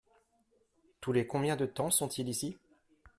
Tous les combien de temps sont-ils ici ?